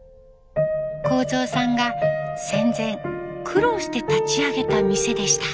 幸蔵さんが戦前苦労して立ち上げた店でした。